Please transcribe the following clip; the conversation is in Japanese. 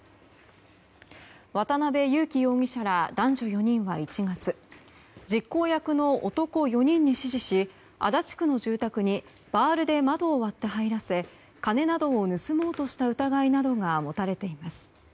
渡邉優樹容疑者ら男女４人は１月実行役の男４人に指示し足立区の住宅にバールで窓を割って入らせ金などを盗もうとした疑いなどが持たれています。